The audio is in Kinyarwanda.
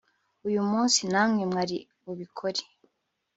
uyu munsi namwe mwari bubikore